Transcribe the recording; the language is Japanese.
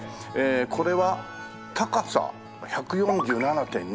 これは高さ１４７．２。